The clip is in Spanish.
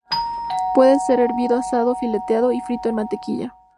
Puede ser hervido, asado o fileteado y frito en mantequilla.